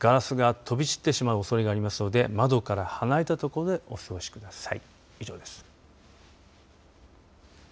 ガラスが飛び散ってしまうおそれがありますので窓から離れたところでお過ごしください。